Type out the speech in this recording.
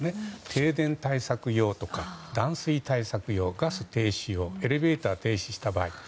停電対策用とか断水対策用、ガス停止用エレベーター停止した場合。